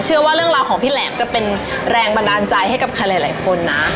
เชื่อว่าเรื่องราวของพี่แหลมจะเป็นแรงบันดาลใจให้กับใครหลายคนนะ